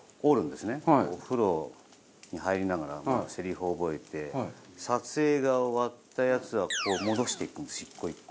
お風呂に入りながらセリフ覚えて撮影が終わったやつは戻していくんです１個１個。